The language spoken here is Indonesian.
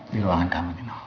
di ruangan kamarnya